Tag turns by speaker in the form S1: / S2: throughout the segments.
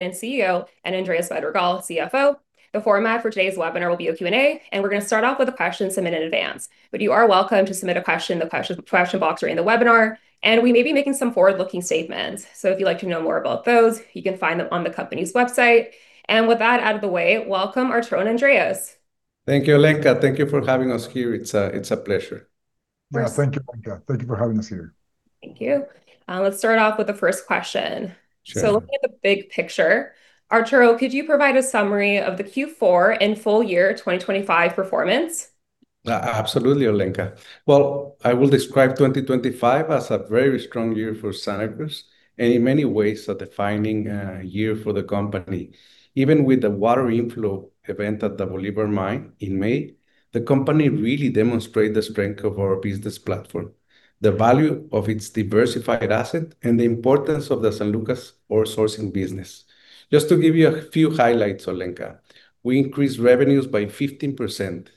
S1: and CEO, and Andrés Bedregal, CFO. The format for today's webinar will be a Q&A, and we're going to start off with a question submitted in advance. You are welcome to submit a question in the question box or in the webinar, and we may be making some forward-looking statements. If you'd like to know more about those, you can find them on the company's website. With that out of the way, welcome, Arturo and Andrés.
S2: Thank you, Olenka. Thank you for having us here. It's a pleasure.
S3: Yeah. Thank you, Olenka. Thank you for having us here.
S1: Thank you. Let's start off with the first question.
S2: Sure.
S1: Looking at the big picture, Arturo, could you provide a summary of the Q4 and full year 2025 performance?
S2: Absolutely, Olenka. Well, I will describe 2025 as a very strong year for Santacruz, and in many ways, a defining year for the company. Even with the water inflow event at the Bolivar Mine in May, the company really demonstrated the strength of our business platform, the value of its diversified asset, and the importance of the San Lucas outsourcing business. Just to give you a few highlights, Olenka. We increased revenues by 15%.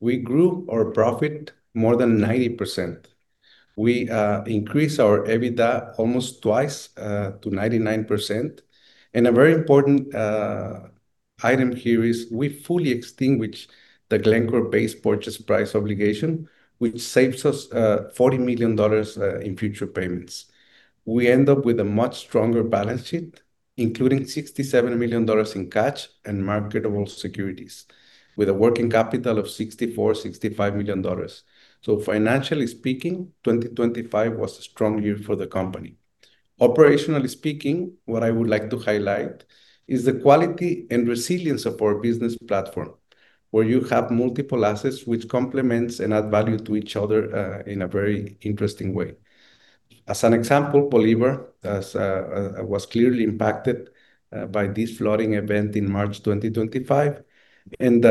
S2: We grew our profit more than 90%. We increased our EBITDA almost twice, to 99%. A very important item here is we fully extinguished the Glencore base purchase price obligation, which saves us $40 million in future payments. We end up with a much stronger balance sheet, including $67 million in cash and marketable securities, with a working capital of $64 million-$65 million. Financially speaking, 2025 was a strong year for the company. Operationally speaking, what I would like to highlight is the quality and resilience of our business platform, where you have multiple assets which complement and add value to each other in a very interesting way. As an example, Bolivar was clearly impacted by this flooding event in March 2025, and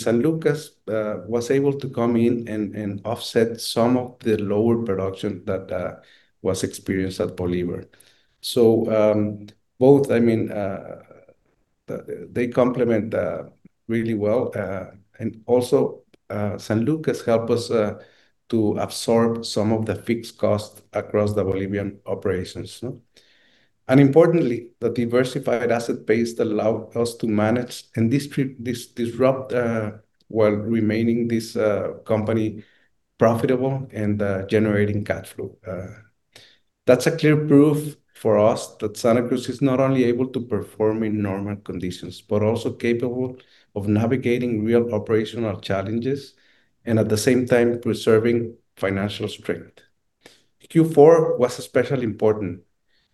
S2: San Lucas was able to come in and offset some of the lower production that was experienced at Bolivar. Both, they complement really well. Also, San Lucas helped us to absorb some of the fixed costs across the Bolivian operations. Importantly, the diversified asset base that allowed us to manage the disruption while keeping the company profitable and generating cash flow. That's a clear proof for us that Santacruz is not only able to perform in normal conditions, but also capable of navigating real operational challenges and at the same time preserving financial strength. Q4 was especially important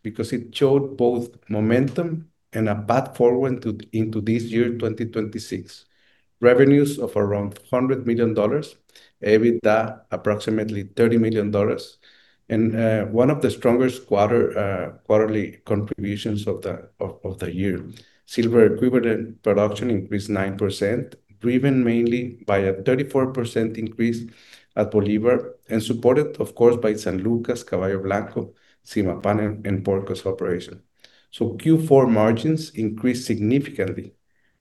S2: because it showed both momentum and a path forward into this year, 2026. Revenues of around $100 million, EBITDA approximately $30 million, and one of the strongest quarterly contributions of the year. Silver equivalent production increased 9%, driven mainly by a 34% increase at Bolivar and supported, of course, by San Lucas, Caballo Blanco, Zimapan, and Porco's operation. Q4 margins increased significantly,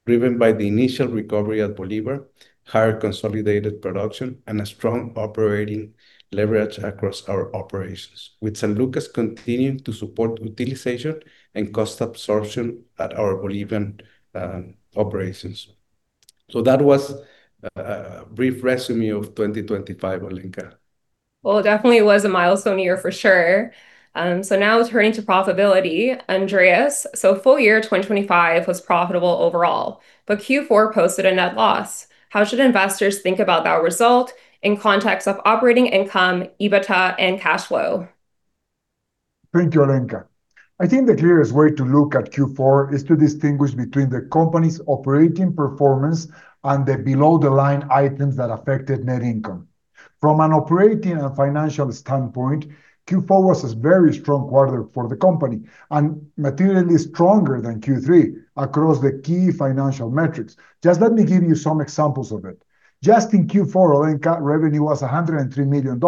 S2: driven by the initial recovery at Bolivar, higher consolidated production, and a strong operating leverage across our operations, with San Lucas continuing to support utilization and cost absorption at our Bolivian operations. That was a brief résumé of 2025, Olenka.
S1: Well, it definitely was a milestone year for sure. Now turning to profitability, Andrés. Full year 2025 was profitable overall, but Q4 posted a net loss. How should investors think about that result in context of operating income, EBITDA, and cash flow?
S3: Thank you, Olenka. I think the clearest way to look at Q4 is to distinguish between the company's operating performance and the below-the-line items that affected net income. From an operating and financial standpoint, Q4 was a very strong quarter for the company, and materially stronger than Q3 across the key financial metrics. Just let me give you some examples of it. Just in Q4, Olenka, revenue was $103 million.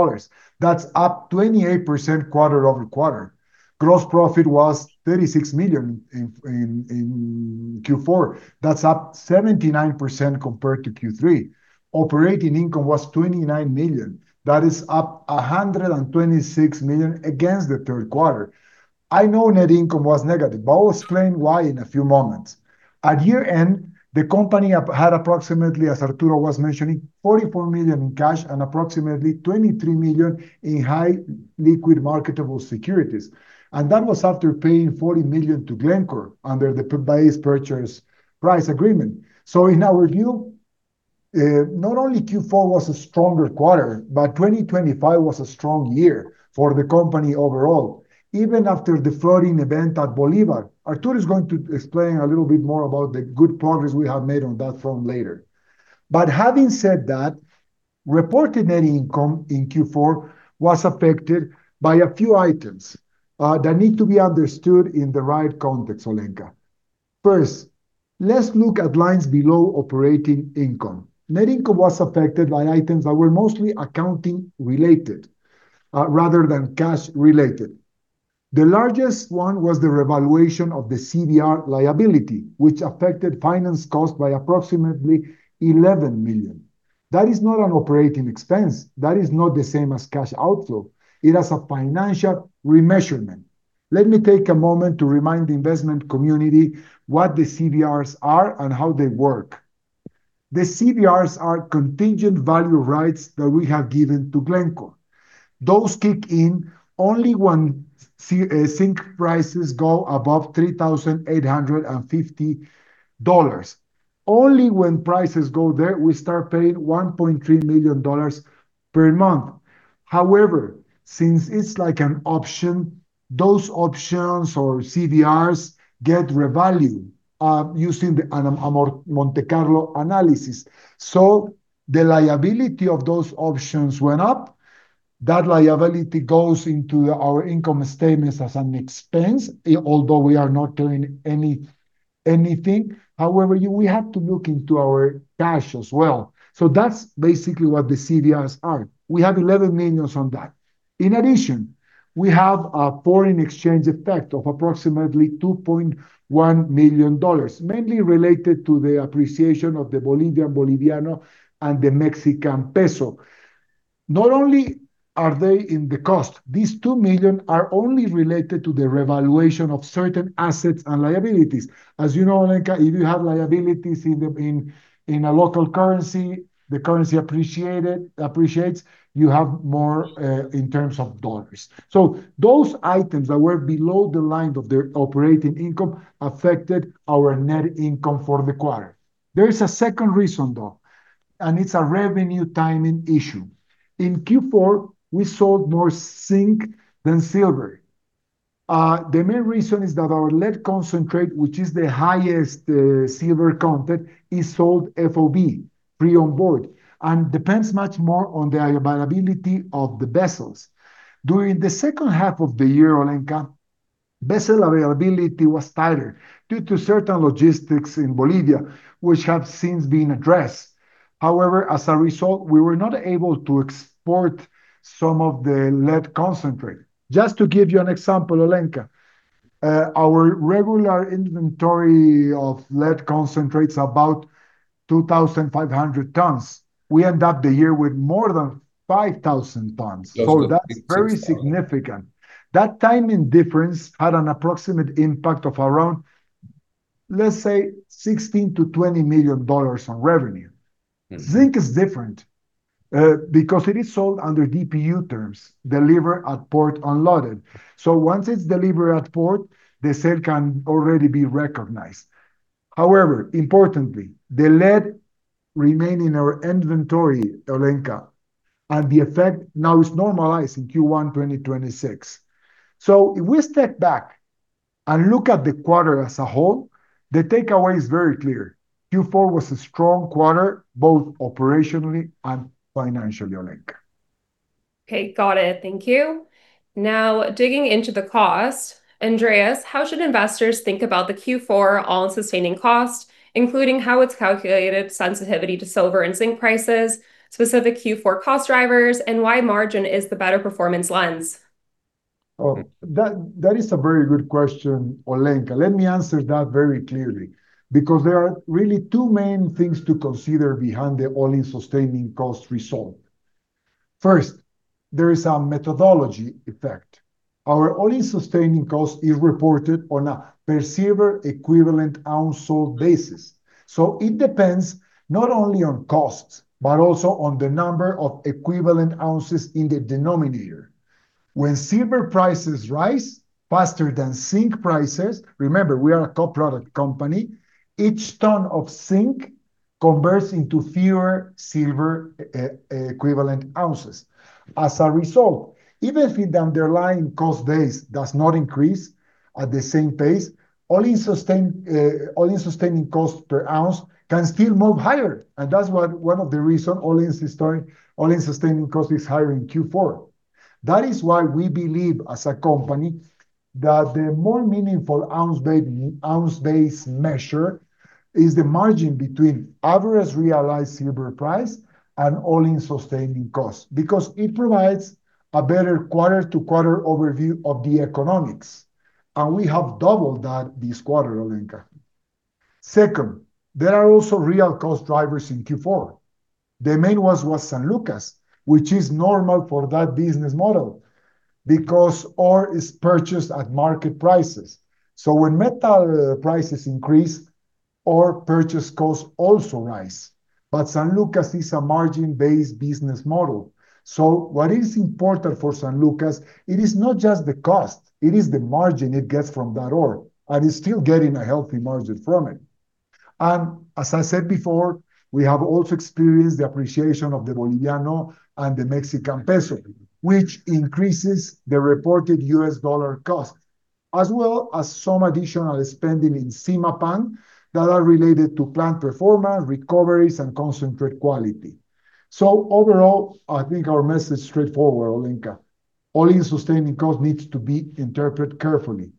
S3: That's up 28% quarter-over-quarter. Gross profit was $36 million in Q4. That's up 79% compared to Q3. Operating income was $29 million. That is up $126 million against the third quarter. I know net income was negative, but I'll explain why in a few moments. At year-end, the company had approximately, as Arturo was mentioning, $44 million in cash and approximately $23 million in highly liquid marketable securities. That was after paying $40 million to Glencore under the base purchase price agreement. In our view, not only Q4 was a stronger quarter, but 2025 was a strong year for the company overall, even after the flooding event at Bolivar. Arturo is going to explain a little bit more about the good progress we have made on that front later. Having said that, reported net income in Q4 was affected by a few items that need to be understood in the right context, Olenka. First, let's look at lines below operating income. Net income was affected by items that were mostly accounting-related rather than cash-related. The largest one was the revaluation of the CVR liability, which affected finance cost by approximately $11 million. That is not an operating expense. That is not the same as cash outflow. It is a financial remeasurement. Let me take a moment to remind the investment community what the CVRs are and how they work. The CVRs are contingent value rights that we have given to Glencore. Those kick in only when zinc prices go above $3,850. Only when prices go there, we start paying $1.3 million per month. However, since it's like an option, those options or CVRs get revalued using the Monte Carlo analysis. The liability of those options went up. That liability goes into our income statements as an expense, although we are not doing anything. However, we have to look into our cash as well. That's basically what the CVRs are. We have $11 million on that. In addition, we have a foreign exchange effect of approximately $2.1 million, mainly related to the appreciation of the Bolivian boliviano and the Mexican peso. Not only are they in the cost, these $2 million are only related to the revaluation of certain assets and liabilities. As you know, Olenka, if you have liabilities in a local currency, the currency appreciates, you have more in terms of dollars. Those items that were below the line of their operating income affected our net income for the quarter. There is a second reason, though, and it's a revenue timing issue. In Q4, we sold more zinc than silver. The main reason is that our lead concentrate, which is the highest silver content, is sold FOB, free on board, and depends much more on the availability of the vessels. During the second half of the year, Olenka, vessel availability was tighter due to certain logistics in Bolivia, which have since been addressed. However, as a result, we were not able to export some of the lead concentrate. Just to give you an example, Olenka, our regular inventory of lead concentrate is about 2,500 tons. We end up the year with more than 5,000 tons. That's very significant. That timing difference had an approximate impact of around, let's say, $16 million-$20 million on revenue. Zinc is different, because it is sold under DPU terms, deliver at port unloaded. Once it's delivered at port, the sale can already be recognized. However, importantly, the lead remained in our inventory, Olenka, and the effect now is normalized in Q1 2026. If we step back and look at the quarter as a whole, the takeaway is very clear. Q4 was a strong quarter, both operationally and financially, Olenka.
S1: Okay, got it. Thank you. Now, digging into the cost, Andrés, how should investors think about the Q4 all-in sustaining cost, including how it's calculated, sensitivity to silver and zinc prices, specific Q4 cost drivers, and why margin is the better performance lens?
S3: Oh, that is a very good question, Olenka. Let me answer that very clearly, because there are really two main things to consider behind the all-in sustaining cost result. First, there is a methodology effect. Our all-in sustaining cost is reported on a per silver equivalent ounce sold basis. So it depends not only on costs, but also on the number of equivalent ounces in the denominator. When silver prices rise faster than zinc prices, remember, we are a co-product company, each ton of zinc converts into fewer silver equivalent ounces. As a result, even if the underlying cost base does not increase at the same pace, all-in sustaining cost per ounce can still move higher. That's one of the reasons all-in sustaining cost is higher in Q4. That is why we believe as a company that the more meaningful ounce-based measure is the margin between average realized silver price and all-in sustaining cost, because it provides a better quarter-to-quarter overview of the economics. We have doubled that this quarter, Olenka. Second, there are also real cost drivers in Q4. The main was San Lucas, which is normal for that business model, because ore is purchased at market prices. When metal prices increase, ore purchase costs also rise. San Lucas is a margin-based business model. What is important for San Lucas, it is not just the cost. It is the margin it gets from that ore, and it's still getting a healthy margin from it. As I said before, we have also experienced the appreciation of the boliviano and the Mexican peso, which increases the reported U.S. dollar cost, as well as some additional spending in Zimapan that are related to plant performance, recoveries, and concentrate quality. Overall, I think our message is straightforward, Olenka. All-in sustaining cost needs to be interpreted carefully.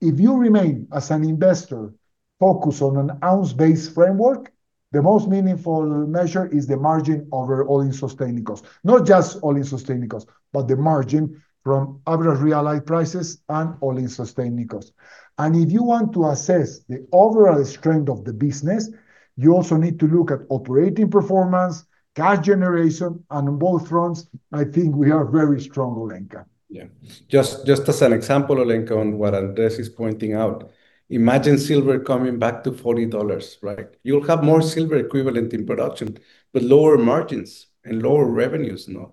S3: If you remain as an investor, focus on an ounce-based framework. The most meaningful measure is the margin over all-in sustaining cost. Not just all-in sustaining cost, but the margin from average realized prices and all-in sustaining cost. If you want to assess the overall strength of the business, you also need to look at operating performance, cash generation, and on both fronts, I think we are very strong, Olenka.
S2: Yeah. Just as an example, Olenka, on what Andrés is pointing out, imagine silver coming back to $40, right? You'll have more silver equivalent in production, but lower margins and lower revenues now.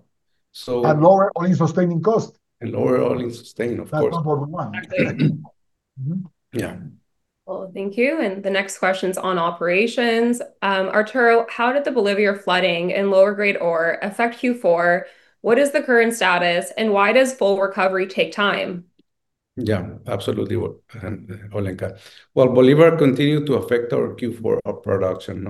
S3: Lower all-in sustaining cost.
S2: lower all-in sustaining, of course.
S3: That's number one.
S2: Yeah.
S1: Well, thank you, and the next question's on operations. Arturo, how did the Bolivar flooding and lower grade ore affect Q4? What is the current status, and why does full recovery take time?
S2: Yeah, absolutely, Olenka. Well, Bolivar continued to affect our Q4 production.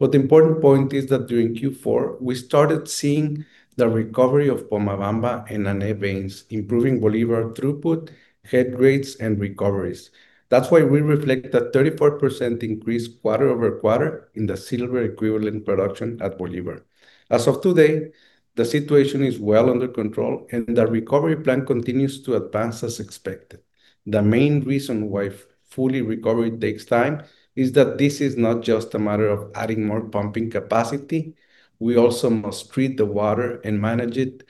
S2: The important point is that during Q4, we started seeing the recovery of Pomabamba and Nané veins, improving Bolivar throughput, head grades, and recoveries. That's why we reflect a 34% increase quarter-over-quarter in the silver-equivalent production at Bolivar. As of today, the situation is well under control, and the recovery plan continues to advance as expected. The main reason why full recovery takes time is that this is not just a matter of adding more pumping capacity. We also must treat the water and manage it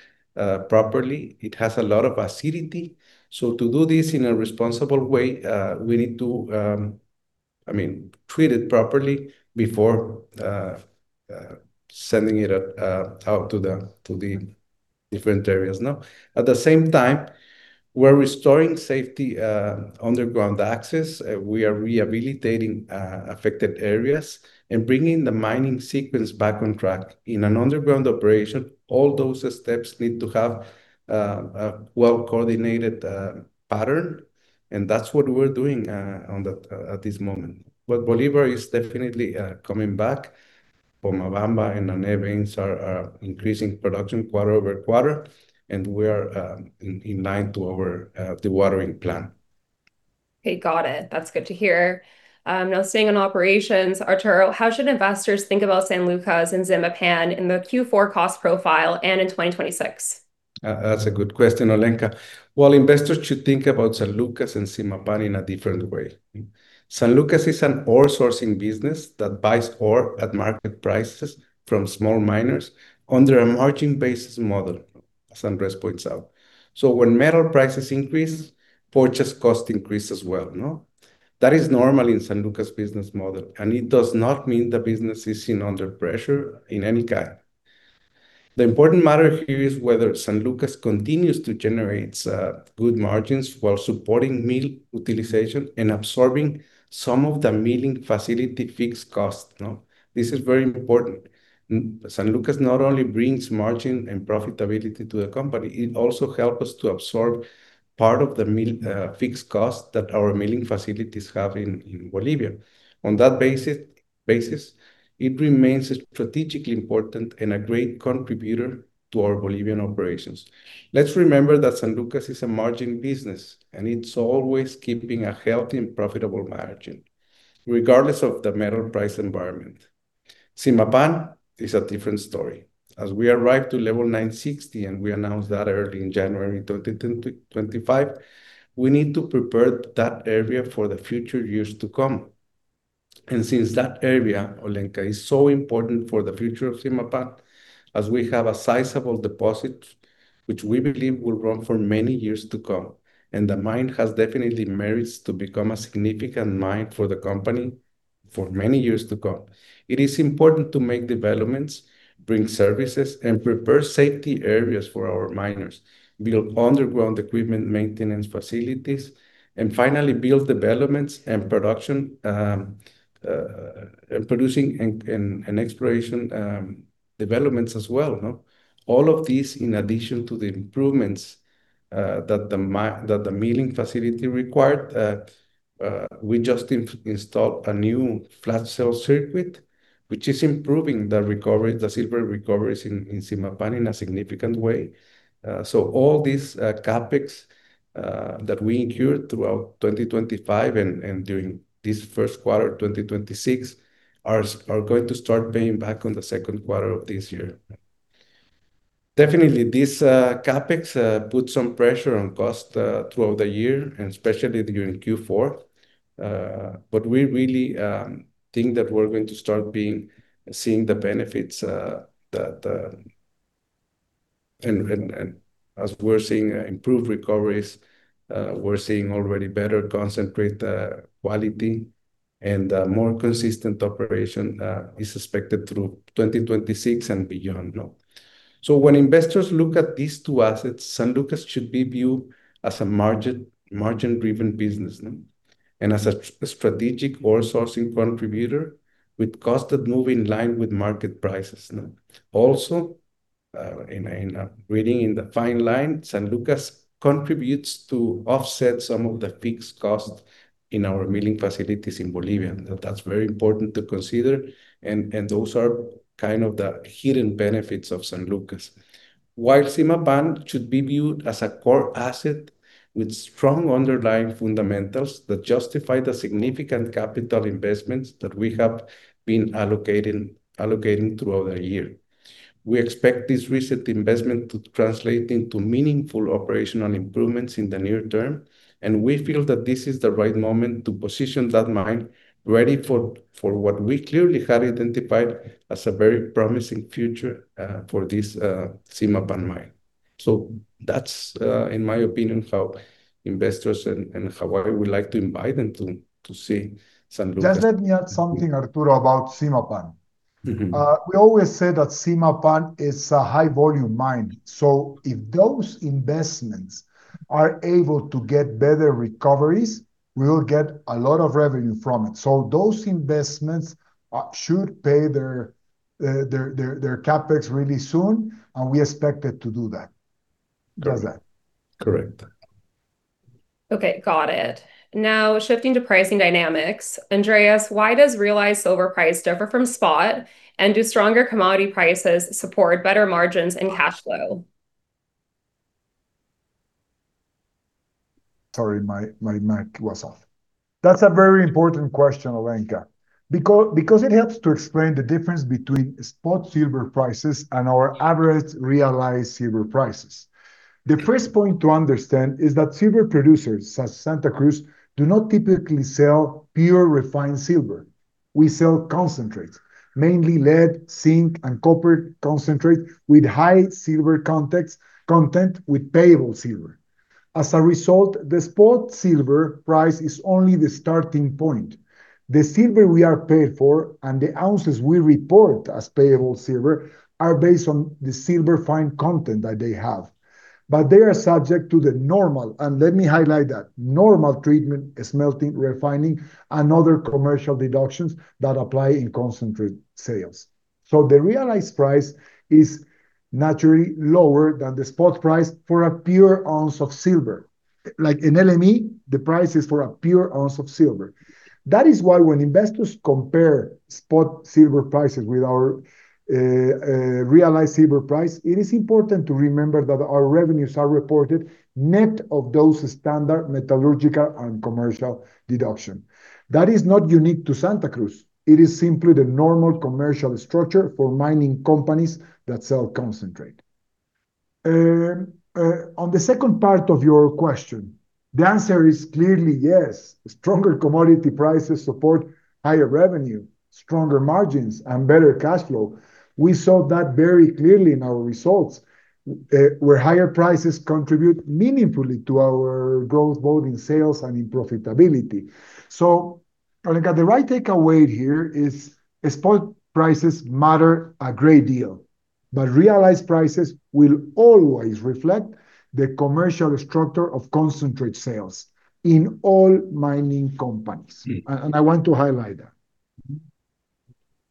S2: properly. It has a lot of acidity. To do this in a responsible way, we need to treat it properly before sending it out to the different areas. At the same time, we're restoring safety underground access. We are rehabilitating affected areas and bringing the mining sequence back on track. In an underground operation, all those steps need to have a well-coordinated pattern, and that's what we're doing at this moment. Bolivar is definitely coming back. Pomabamba and Nané veins are increasing production quarter-over-quarter, and we are in line to our dewatering plan.
S1: Okay, got it. That's good to hear. Now staying on operations, Arturo, how should investors think about San Lucas and Zimapan in the Q4 cost profile and in 2026?
S2: That's a good question, Olenka. Well, investors should think about San Lucas and Zimapan in a different way. San Lucas is an ore-sourcing business that buys ore at market prices from small miners under a margin-basis model, as Andrés points out. When metal prices increase, purchase cost increase as well. That is normal in San Lucas' business model, and it does not mean the business is under pressure in any kind. The important matter here is whether San Lucas continues to generate good margins while supporting mill utilization and absorbing some of the milling facility fixed cost. This is very important. San Lucas not only brings margin and profitability to the company, it also help us to absorb part of the fixed cost that our milling facilities have in Bolivia. On that basis, it remains strategically important and a great contributor to our Bolivian operations. Let's remember that San Lucas is a margin business, and it's always keeping a healthy and profitable margin regardless of the metal price environment. Zimapan is a different story. As we arrive to level 960, and we announced that early in January 2025, we need to prepare that area for the future years to come. Since that area, Olenka, is so important for the future of Zimapan, as we have a sizable deposit, which we believe will run for many years to come, and the mine has definitely merits to become a significant mine for the company for many years to come. It is important to make developments, bring services, and prepare safety areas for our miners, build underground equipment maintenance facilities, and finally, build developments and production, and producing and exploration developments as well. All of this in addition to the improvements that the milling facility required. We just installed a new flash cell circuit, which is improving the silver recoveries in Zimapan in a significant way. All these CapEx that we incurred throughout 2025 and during this first quarter 2026 are going to start paying back on the second quarter of this year. Definitely, this CapEx put some pressure on cost throughout the year, and especially during Q4. We really think that we're going to start seeing the benefits, and as we're seeing improved recoveries, we're seeing already better concentrate quality, and more consistent operation is expected through 2026 and beyond. When investors look at these two assets, San Lucas should be viewed as a margin-driven business, and as a strategic ore-sourcing contributor with costs that move in line with market prices. Also, reading between the lines, San Lucas contributes to offset some of the fixed cost in our milling facilities in Bolivia. That's very important to consider, and those are kind of the hidden benefits of San Lucas. While Zimapan should be viewed as a core asset with strong underlying fundamentals that justify the significant capital investments that we have been allocating throughout the year. We expect this recent investment to translate into meaningful operational improvements in the near term, and we feel that this is the right moment to position that mine ready for what we clearly have identified as a very promising future for this Zimapan mine. That's, in my opinion, how investors and how I would like to invite them to see Santacruz.
S3: Just let me add something, Arturo, about Zimapan.
S2: Mm-hmm.
S3: We always say that Zimapan is a high-volume mine, so if those investments are able to get better recoveries, we will get a lot of revenue from it. Those investments should pay their CapEx really soon, and we expect it to do that. Does that-
S2: Correct.
S1: Okay, got it. Now shifting to pricing dynamics. Andrés, why does realized silver price differ from spot? And do stronger commodity prices support better margins and cash flow?
S3: Sorry, my mic was off. That's a very important question, Olenka, because it helps to explain the difference between spot silver prices and our average realized silver prices. The first point to understand is that silver producers such as Santacruz do not typically sell pure, refined silver. We sell concentrates, mainly lead, zinc, and copper concentrate with high silver content with payable silver. As a result, the spot silver price is only the starting point. The silver we are paid for and the ounces we report as payable silver are based on the silver fine content that they have. They are subject to the normal, and let me highlight that, normal treatment, smelting, refining, and other commercial deductions that apply in concentrate sales. The realized price is naturally lower than the spot price for a pure ounce of silver. Like in LME, the price is for a pure ounce of silver. That is why when investors compare spot silver prices with our realized silver price, it is important to remember that our revenues are reported net of those standard metallurgical and commercial deductions. That is not unique to Santacruz. It is simply the normal commercial structure for mining companies that sell concentrate. On the second part of your question, the answer is clearly yes. Stronger commodity prices support higher revenue, stronger margins, and better cash flow. We saw that very clearly in our results, where higher prices contribute meaningfully to our growth, both in sales and in profitability. Olenka, the right takeaway here is spot prices matter a great deal, but realized prices will always reflect the commercial structure of concentrate sales in all mining companies. I want to highlight that.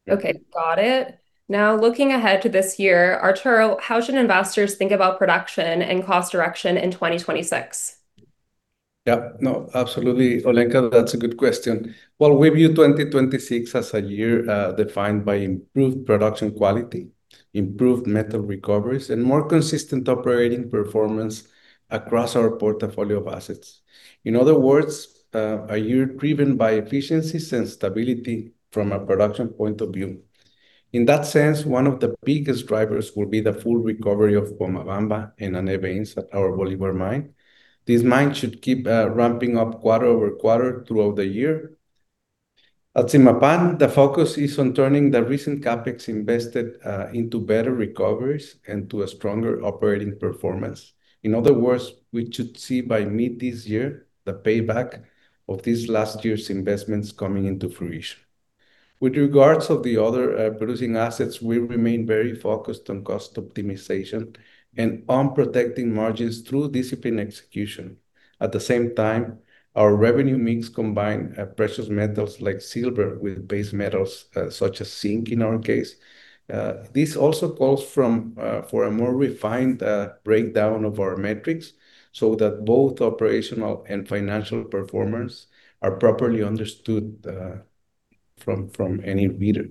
S1: Okay, got it. Now, looking ahead to this year, Arturo, how should investors think about production and cost direction in 2026?
S2: Yeah. No, absolutely. Olenka, that's a good question. Well, we view 2026 as a year defined by improved production quality, improved metal recoveries, and more consistent operating performance across our portfolio of assets. In other words, a year driven by efficiencies and stability from a production point of view. In that sense, one of the biggest drivers will be the full recovery of Pomabamba and Nané veins at our Bolivar Mine. This mine should keep ramping up quarter-over-quarter throughout the year. At Zimapan, the focus is on turning the recent CapEx invested into better recoveries and to a stronger operating performance. In other words, we should see by mid this year the payback of this last year's investments coming into fruition. With regards to the other producing assets, we remain very focused on cost optimization and on protecting margins through disciplined execution. At the same time, our revenue mix combine precious metals like silver with base metals such as zinc in our case. This also calls for a more refined breakdown of our metrics so that both operational and financial performance are properly understood from any reader.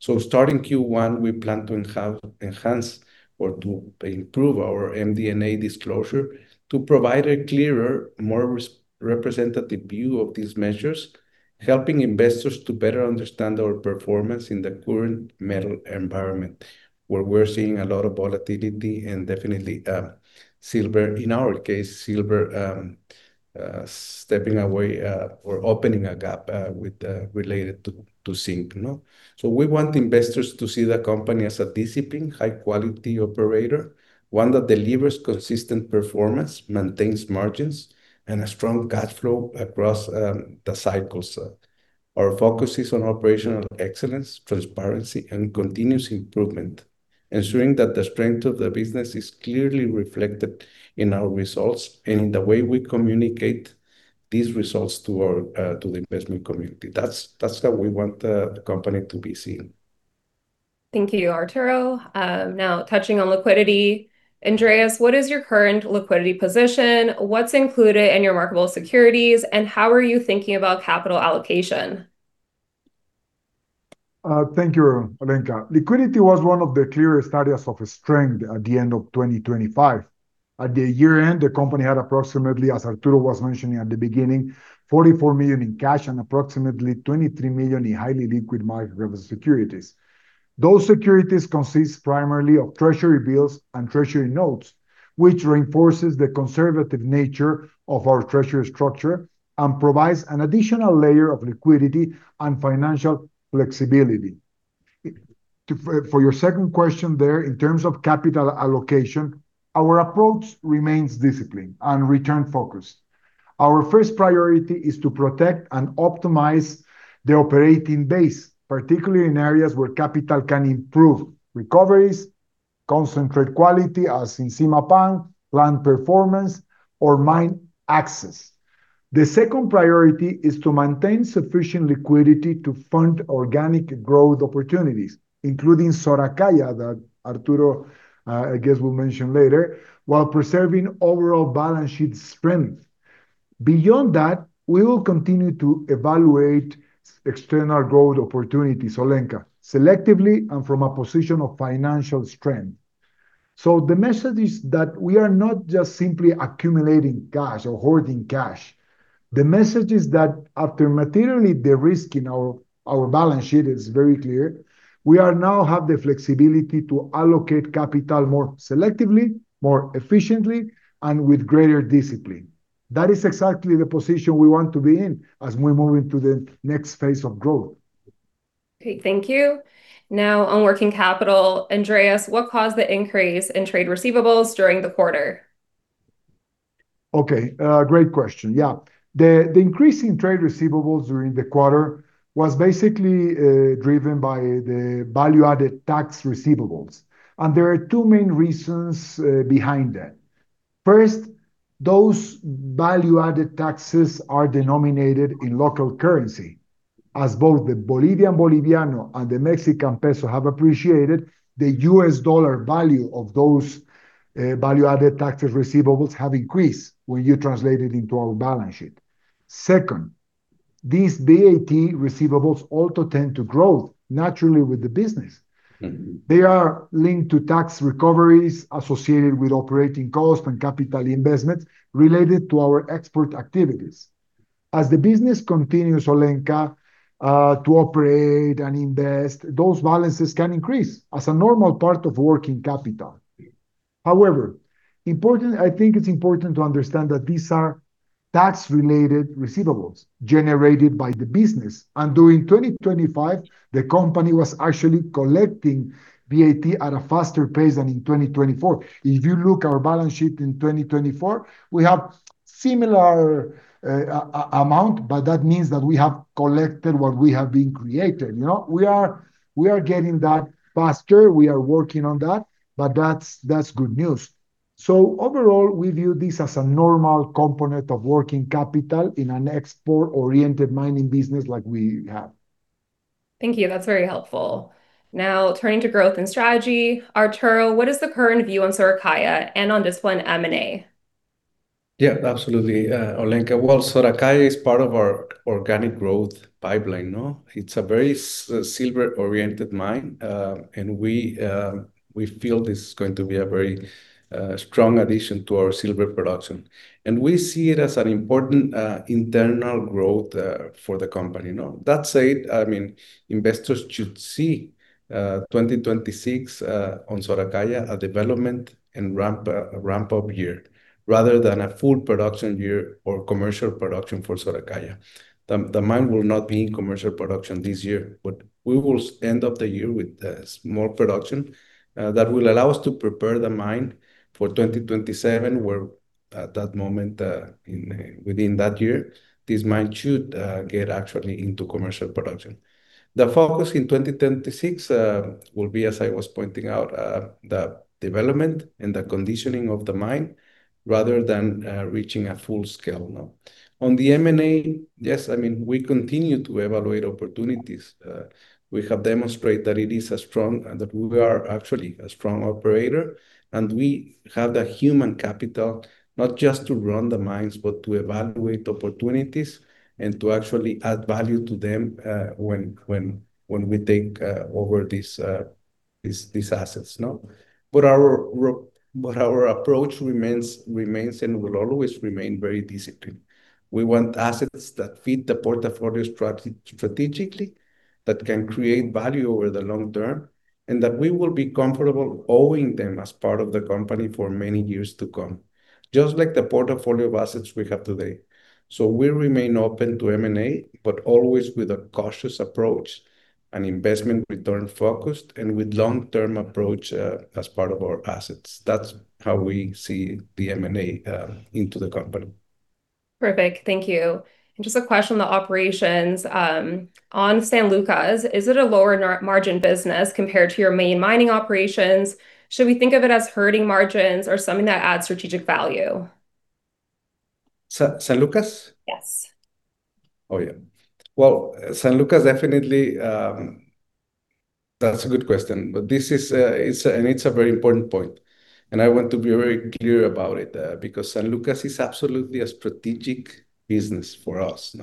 S2: Starting Q1, we plan to enhance or to improve our MD&A disclosure to provide a clearer, more representative view of these measures, helping investors to better understand our performance in the current metal environment, where we're seeing a lot of volatility and definitely silver, in our case, silver stepping away or opening a gap related to zinc. We want investors to see the company as a disciplined, high-quality operator, one that delivers consistent performance, maintains margins, and a strong cash flow across the cycles. Our focus is on operational excellence, transparency, and continuous improvement, ensuring that the strength of the business is clearly reflected in our results and in the way we communicate these results to the investment community. That's how we want the company to be seen.
S1: Thank you, Arturo. Now touching on liquidity. Andrés, what is your current liquidity position? What's included in your marketable securities, and how are you thinking about capital allocation?
S3: Thank you, Olenka. Liquidity was one of the clearest areas of strength at the end of 2025. At the year-end, the company had approximately, as Arturo was mentioning at the beginning, $44 million in cash and approximately $23 million in highly liquid market securities. Those securities consist primarily of treasury bills and treasury notes, which reinforces the conservative nature of our treasury structure and provides an additional layer of liquidity and financial flexibility. For your second question there, in terms of capital allocation, our approach remains disciplined and return-focused. Our first priority is to protect and optimize the operating base, particularly in areas where capital can improve recoveries, concentrate quality, as in Zimapán, plant performance, or mine access. The second priority is to maintain sufficient liquidity to fund organic growth opportunities, including Soracaya, that Arturo, I guess, will mention later, while preserving overall balance sheet strength. Beyond that, we will continue to evaluate external growth opportunities, Olenka, selectively and from a position of financial strength. The message is that we are not just simply accumulating cash or hoarding cash. The message is that after materially de-risking our balance sheet, it's very clear, we now have the flexibility to allocate capital more selectively, more efficiently, and with greater discipline. That is exactly the position we want to be in as we move into the next phase of growth.
S1: Okay. Thank you. Now, on working capital, Andrés, what caused the increase in trade receivables during the quarter?
S3: Okay. Great question. Yeah. The increase in trade receivables during the quarter was basically driven by the value-added tax receivables. There are two main reasons behind that. First, those value-added taxes are denominated in local currency. As both the Bolivian boliviano and the Mexican peso have appreciated, the U.S. dollar value of those value-added tax receivables have increased when you translate it into our balance sheet. Second, these VAT receivables also tend to grow naturally with the business. They are linked to tax recoveries associated with operating costs and capital investments related to our export activities. As the business continues, Olenka, to operate and invest, those balances can increase as a normal part of working capital. However, I think it's important to understand that these are tax-related receivables generated by the business. During 2025, the company was actually collecting VAT at a faster pace than in 2024. If you look at our balance sheet in 2024, we have similar amount, but that means that we have collected what we have been creating. We are getting that faster. We are working on that, but that's good news. Overall, we view this as a normal component of working capital in an export-oriented mining business like we have.
S1: Thank you. That's very helpful. Now turning to growth and strategy. Arturo, what is the current view on Soracaya and on disciplined M&A?
S2: Yeah, absolutely, Olenka. Well, Soracaya is part of our organic growth pipeline. It's a very silver-oriented mine, and we feel this is going to be a very strong addition to our silver production. We see it as an important internal growth for the company. That said, investors should see 2026 as a development and ramp-up year for Soracaya rather than a full production year or commercial production for Soracaya. The mine will not be in commercial production this year, but we will end up the year with small production that will allow us to prepare the mine for 2027, where at that moment, within that year, this mine should get actually into commercial production. The focus in 2026 will be, as I was pointing out, the development and the conditioning of the mine rather than reaching a full scale. On the M&A, yes, we continue to evaluate opportunities. We have demonstrated that we are actually a strong operator, and we have the human capital not just to run the mines, but to evaluate opportunities and to actually add value to them when we take over these assets. Our approach remains, and will always remain very disciplined. We want assets that fit the portfolio strategically, that can create value over the long term, and that we will be comfortable owing them as part of the company for many years to come, just like the portfolio of assets we have today. We remain open to M&A, but always with a cautious approach and investment return-focused and with long-term approach as part of our assets. That's how we see the M&A into the company.
S1: Perfect. Thank you. Just a question on the operations. On San Lucas, is it a lower margin business compared to your main mining operations? Should we think of it as hurting margins or something that adds strategic value?
S2: San Lucas?
S1: Yes.
S2: Oh, yeah. Well, San Lucas definitely. That's a good question. It's a very important point, and I want to be very clear about it, because San Lucas is absolutely a strategic business for us.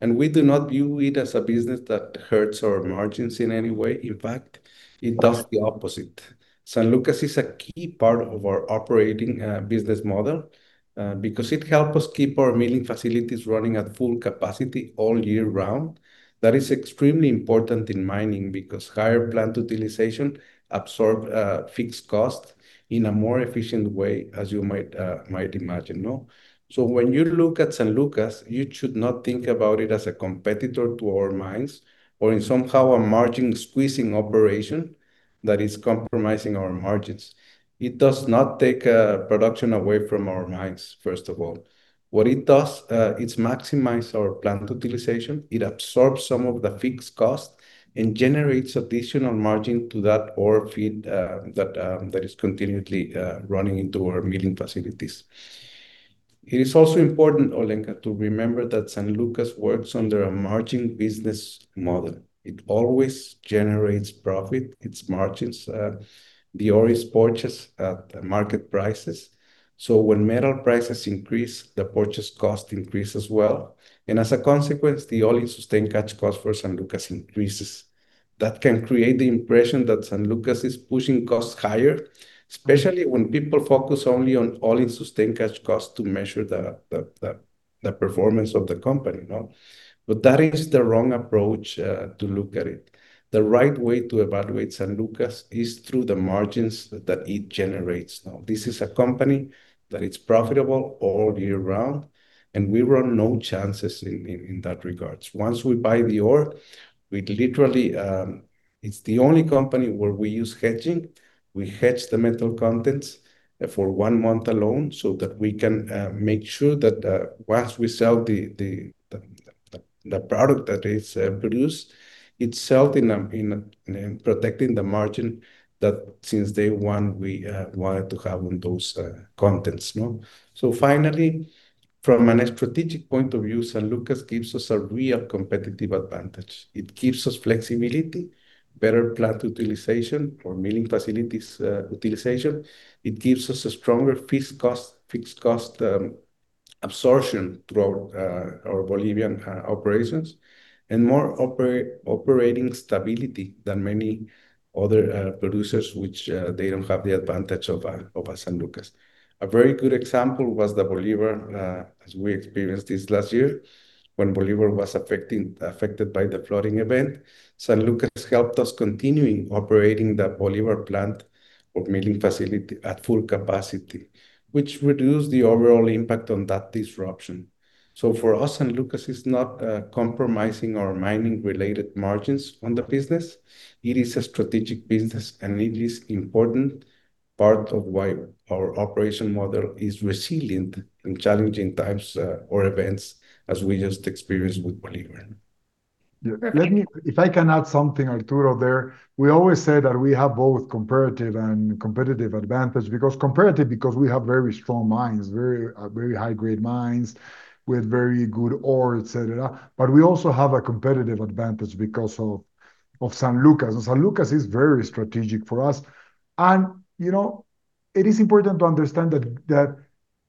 S2: We do not view it as a business that hurts our margins in any way. In fact, it does the opposite. San Lucas is a key part of our operating business model because it help us keep our milling facilities running at full capacity all year round. That is extremely important in mining because higher plant utilization absorb fixed cost in a more efficient way, as you might imagine. When you look at San Lucas, you should not think about it as a competitor to our mines or somehow a margin-squeezing operation that is compromising our margins. It does not take production away from our mines, first of all. What it does, it maximizes our plant utilization. It absorbs some of the fixed cost and generates additional margin to that ore feed that is continually running into our milling facilities. It is also important, Olenka, to remember that San Lucas works under a margin business model. It always generates profit. Its margins, the ore is purchased at market prices. When metal prices increase, the purchase cost increases as well. As a consequence, the all-in sustaining cost for San Lucas increases. That can create the impression that San Lucas is pushing costs higher, especially when people focus only on all-in sustaining cost to measure the performance of the company. That is the wrong approach to look at it. The right way to evaluate San Lucas is through the margins that it generates. Now, this is a company that it's profitable all year round, and we run no chances in that regard. Once we buy the ore, it's the only company where we use hedging. We hedge the metal contents for one month alone so that we can make sure that once we sell the product that is produced, it's sold in protecting the margin that since day one we wanted to have on those contents. Finally, from a strategic point of view, San Lucas gives us a real competitive advantage. It gives us flexibility, better plant utilization or milling facilities utilization. It gives us a stronger fixed cost absorption throughout our Bolivian operations and more operating stability than many other producers, which they don't have the advantage of a San Lucas. A very good example was the Bolivar, as we experienced this last year, when Bolivar was affected by the flooding event. San Lucas helped us continuing operating the Bolivar plant or milling facility at full capacity, which reduced the overall impact on that disruption. For us, San Lucas is not compromising our mining-related margins on the business. It is a strategic business, and it is important part of why our operation model is resilient in challenging times or events as we just experienced with Bolivar.
S3: Yeah. If I can add something, Arturo, there. We always say that we have both comparative and competitive advantage because comparative, because we have very strong mines, very high-grade mines with very good ore, et cetera. We also have a competitive advantage because of San Lucas. San Lucas is very strategic for us. It is important to understand that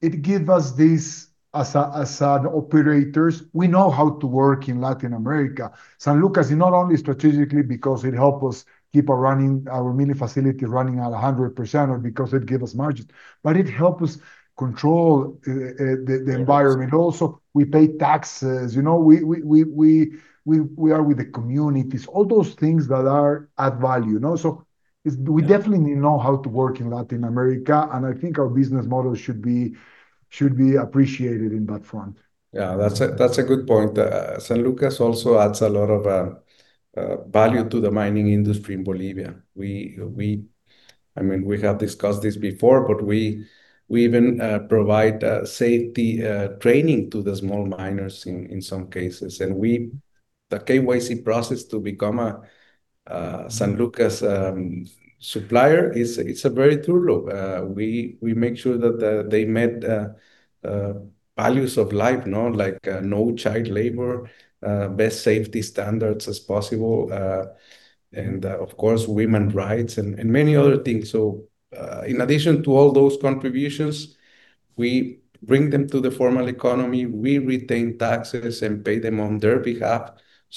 S3: it give us this, as an operators, we know how to work in Latin America. San Lucas is not only strategically because it help us keep our milling facility running at 100% or because it give us margins, but it help us control the environment also. We pay taxes. We are with the communities. All those things that add value. We definitely know how to work in Latin America, and I think our business model should be appreciated in that front.
S2: Yeah, that's a good point. San Lucas also adds a lot of value to the mining industry in Bolivia. We have discussed this before, but we even provide safety training to the small miners in some cases. The KYC process to become a San Lucas supplier is a very thorough. We make sure that they met values of life, like no child labor, best safety standards as possible, and of course, women's rights and many other things. In addition to all those contributions, we bring them to the formal economy. We retain taxes and pay them on their behalf.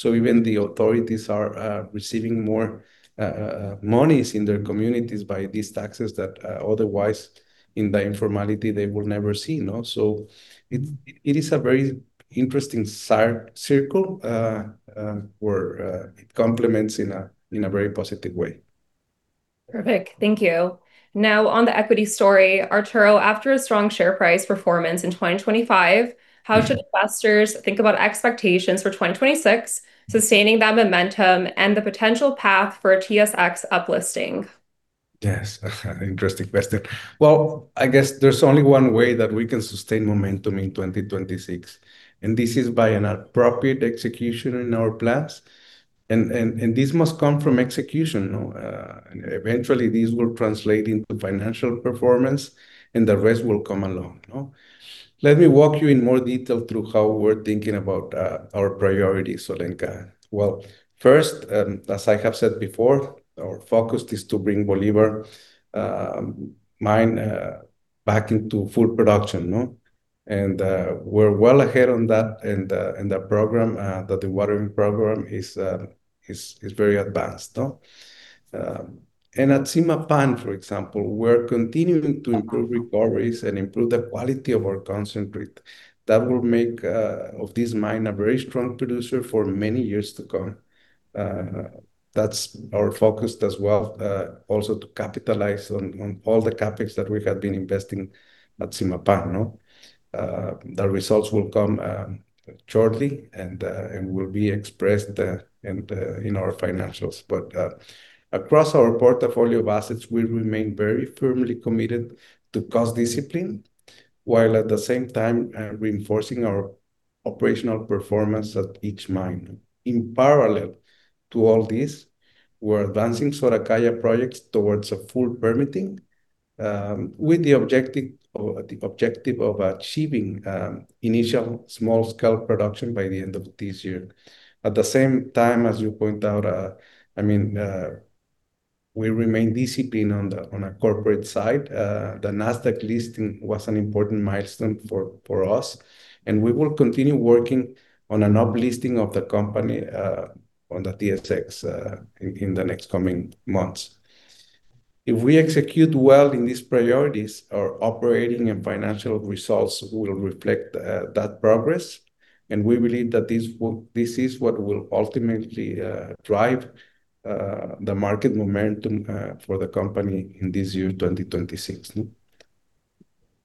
S2: Even the authorities are receiving more monies in their communities by these taxes that otherwise in the informality, they will never see. It is a very interesting circle where it complements in a very positive way.
S1: Perfect. Thank you. Now on the equity story, Arturo, after a strong share price performance in 2025, how should investors think about expectations for 2026, sustaining that momentum, and the potential path for a TSX up-listing?
S2: Yes. Interesting question. Well, I guess there's only one way that we can sustain momentum in 2026, and this is by an appropriate execution in our plans. This must come from execution. Eventually, these will translate into financial performance, and the rest will come along. Let me walk you in more detail through how we're thinking about our priorities, Olenka. Well, first, as I have said before, our focus is to bring Bolivar Mine back into full production. We're well ahead on that, and the dewatering program is very advanced. At Zimapán, for example, we're continuing to improve recoveries and improve the quality of our concentrate. That will make this mine a very strong producer for many years to come. That's our focus as well, also to capitalize on all the CapEx that we have been investing at Zimapán. The results will come shortly and will be expressed in our financials. Across our portfolio of assets, we remain very firmly committed to cost discipline, while at the same time reinforcing our operational performance at each mine. In parallel to all this, we're advancing Soracaya projects towards a full permitting, with the objective of achieving initial small-scale production by the end of this year. At the same time, as you point out, we remain disciplined on a corporate side. The Nasdaq listing was an important milestone for us, and we will continue working on an up-listing of the company on the TSX in the next coming months. If we execute well in these priorities, our operating and financial results will reflect that progress, and we believe that this is what will ultimately drive the market momentum for the company in this year, 2026.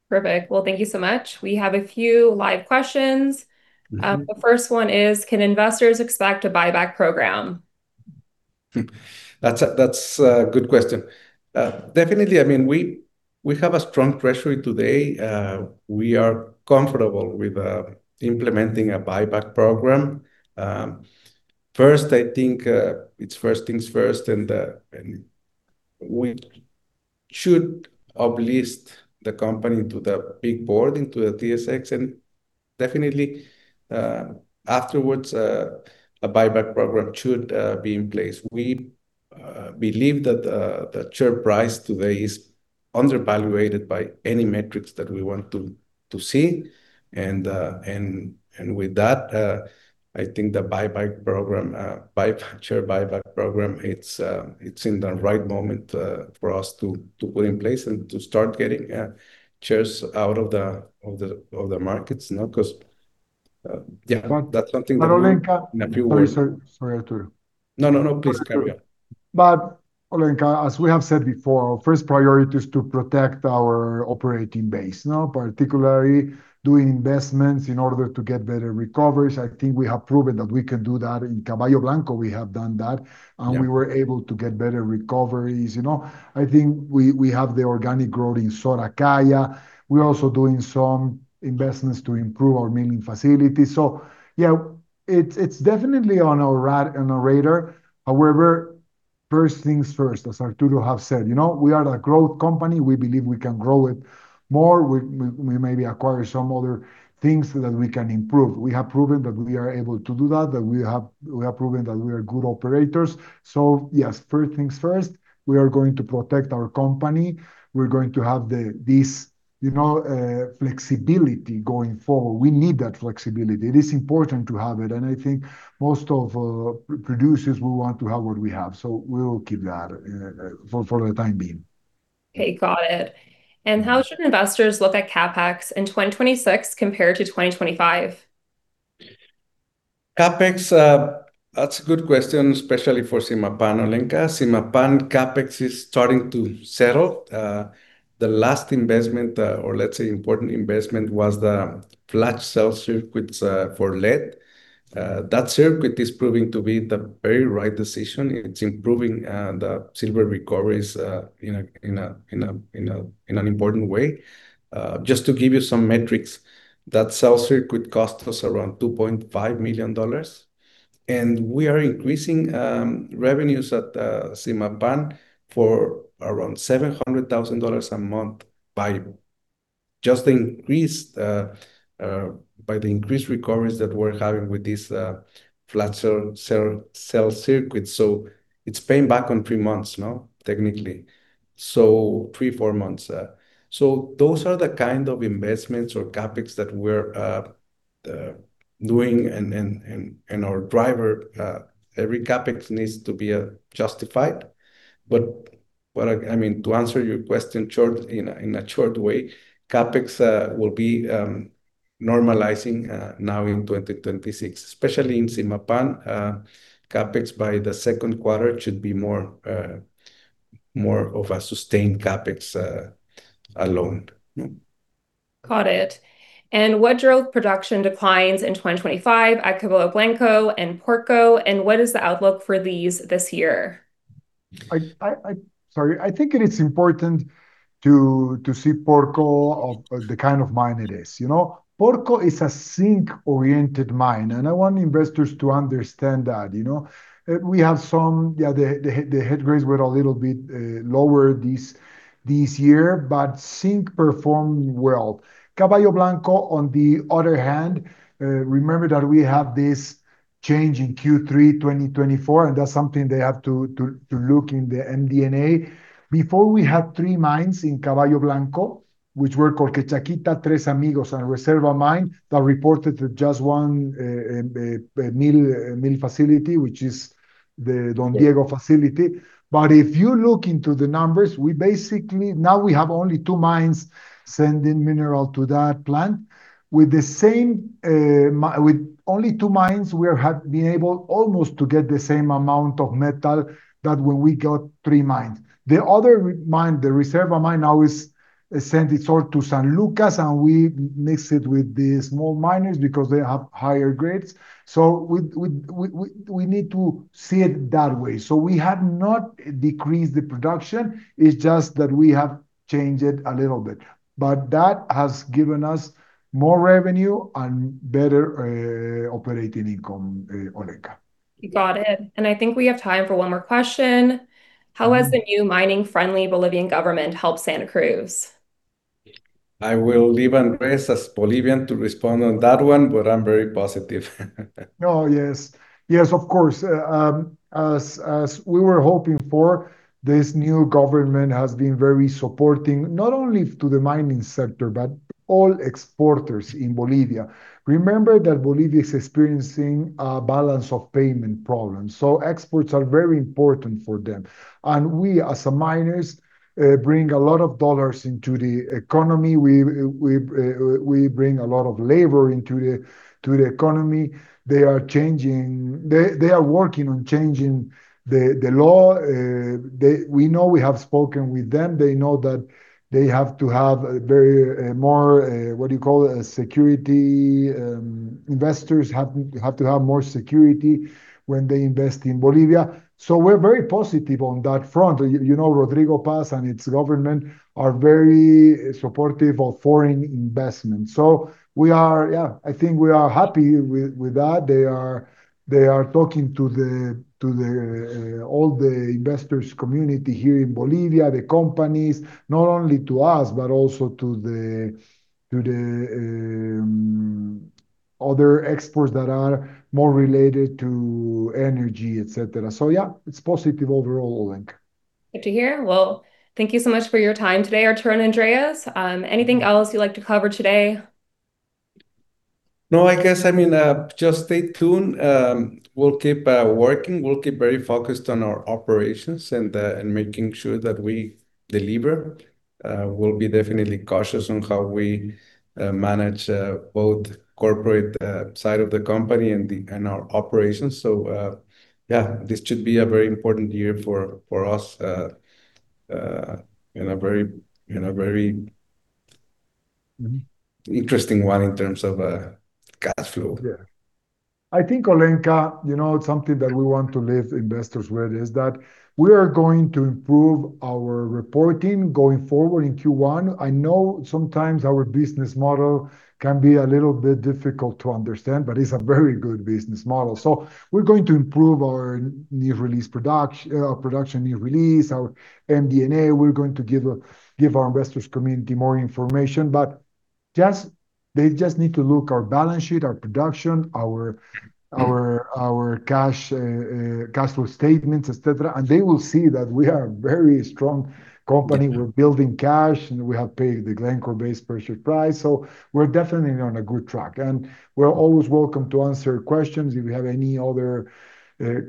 S1: Perfect. Well, thank you so much. We have a few live questions. The first one is, can investors expect a buyback program?
S2: That's a good question. Definitely, we have a strong treasury today. We are comfortable with implementing a buyback program. First, I think it's first things first, and we should uplist the company to the big board, into the TSX, and definitely, afterwards, a buyback program should be in place. We believe that the share price today is undervaluated by any metrics that we want to see. With that, I think the share buyback program, it's in the right moment for us to put in place and to start getting shares out of the markets.
S3: Olenka-
S2: In a few words.
S3: Sorry, Arturo.
S2: No, please carry on.
S3: Olenka, as we have said before, our first priority is to protect our operating base, particularly doing investments in order to get better recoveries. I think we have proven that we can do that. In Caballo Blanco, we have done that.
S2: Yeah.
S3: We were able to get better recoveries. I think we have the organic growth in Soracaya. We're also doing some investments to improve our milling facility. Yeah, it's definitely on our radar. However, first things first, as Arturo have said. We are a growth company. We believe we can grow it more. We maybe acquire some other things that we can improve. We have proven that we are able to do that we have proven that we are good operators. Yes, first things first, we are going to protect our company. We're going to have this flexibility going forward. We need that flexibility. It is important to have it. I think most of producers will want to have what we have. We'll keep that for the time being.
S1: Okay, got it. How should investors look at CapEx in 2026 compared to 2025?
S2: CapEx, that's a good question, especially for Zimapán, Olenka. Zimapán CapEx is starting to settle. The last investment, or let's say important investment, was the flash cell circuits for lead. That circuit is proving to be the very right decision. It's improving the silver recoveries in an important way. Just to give you some metrics, that cell circuit cost us around $2.5 million. We are increasing revenues at Zimapán for around $700,000 a month by the increased recoveries that we're having with this flash cell circuit. It's paying back on three months now, technically. Three, four months. Those are the kind of investments or CapEx that we're doing and our driver. Every CapEx needs to be justified. To answer your question in a short way, CapEx will be normalizing now in 2026. Especially in Zimapán, CapEx by the second quarter should be more of a sustained CapEx alone.
S1: Got it. What drove production declines in 2025 at Caballo Blanco and Porco, and what is the outlook for these this year?
S3: I think it is important to see Porco of the kind of mine it is. Porco is a zinc-oriented mine, and I want investors to understand that. We have some, the head grades were a little bit lower this year, but zinc performed well. Caballo Blanco, on the other hand, remember that we have this change in Q3 2024, and that's something they have to look in the MD&A. Before we had three mines in Caballo Blanco, which were called Colquechaquita, Tres Amigos, and Reserva mine, that reported to just one mill facility, which is the Don Diego facility. If you look into the numbers, now we have only two mines sending mineral to that plant. With only two mines, we have been able almost to get the same amount of metal than when we got three mines. The other mine, the Reserva mine now sends it all to San Lucas, and we mix it with the small miners because they have higher grades. We need to see it that way. We have not decreased the production, it's just that we have changed it a little bit. That has given us more revenue and better operating income, Olenka.
S1: Got it. I think we have time for one more question. How has the new mining-friendly Bolivian government helped Santacruz?
S2: I will leave Andrés as Bolivian to respond on that one, but I'm very positive.
S3: Oh, yes. Yes, of course. As we were hoping for, this new government has been very supporting, not only to the mining sector, but all exporters in Bolivia. Remember that Bolivia is experiencing a balance of payment problems, so exports are very important for them. We, as miners, bring a lot of dollars into the economy. We bring a lot of labor into the economy. They are working on changing the law. We know we have spoken with them. They know that they have to have more, what do you call it, security. Investors have to have more security when they invest in Bolivia. We're very positive on that front. Rodrigo Paz and his government are very supportive of foreign investment. I think we are happy with that. They are talking to all the investor community here in Bolivia, the companies, not only to us, but also to the other exporters that are more related to energy, et cetera. Yeah, it's positive overall, Olenka.
S1: Good to hear. Well, thank you so much for your time today, Arturo and Andrés. Anything else you'd like to cover today?
S2: No, I guess, just stay tuned. We'll keep working. We'll keep very focused on our operations and making sure that we deliver. We'll be definitely cautious on how we manage both corporate side of the company and our operations. Yeah, this should be a very important year for us, and a very interesting one in terms of cash flow.
S3: Yeah. I think, Olenka, it's something that we want to leave investors with, is that we are going to improve our reporting going forward in Q1. I know sometimes our business model can be a little bit difficult to understand, but it's a very good business model. We're going to improve our production news release, our MD&A. We're going to give our investor community more information. They just need to look our balance sheet, our production, our cash flow statements, et cetera, and they will see that we are a very strong company, we're building cash, and we have paid the Glencore base purchase price. We're definitely on a good track. We're always welcome to answer questions. If you have any other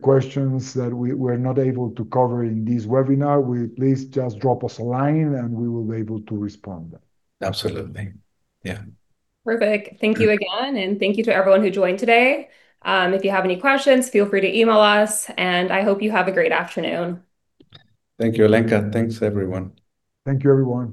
S3: questions that we're not able to cover in this webinar, please just drop us a line and we will be able to respond.
S2: Absolutely. Yeah.
S1: Perfect. Thank you again, and thank you to everyone who joined today. If you have any questions, feel free to email us, and I hope you have a great afternoon.
S2: Thank you, Olenka. Thanks, everyone.
S3: Thank you everyone